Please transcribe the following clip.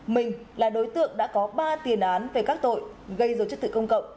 mình là đối tượng đã có ba tiền án về các tội gây dấu chất tự công cộng